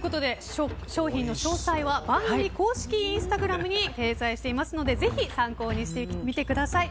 商品の詳細は番組公式インスタグラムに掲載していますのでぜひ参考にしてみてください。